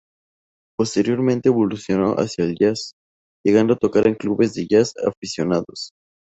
Posteriormente evolucionó hacia el jazz, llegando a tocar en clubes de jazz aficionados.